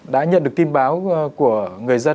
đã nhận được tin báo của người dân